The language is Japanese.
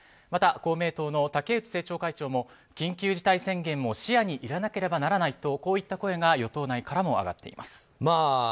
また、公明党の竹内政調会長も緊急事態宣言も視野に入れなければならないとこういった声が与党内からも上がっています。